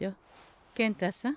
健太さん